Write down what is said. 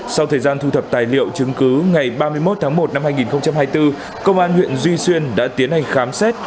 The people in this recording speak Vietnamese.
sau thời gian thu thập tài liệu chứng cứ ngày ba mươi một tháng một năm hai nghìn hai mươi bốn công an huyện duy xuyên đã tiến hành khám xét